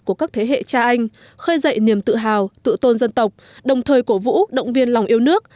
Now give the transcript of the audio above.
của các thế hệ cha anh khơi dậy niềm tự hào tự tôn dân tộc đồng thời cổ vũ động viên lòng yêu nước